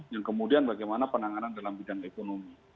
yang kemudian bagaimana penanganan dalam bidang ekonomi